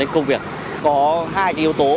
có hai yếu tố